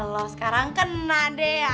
loh sekarang kena deh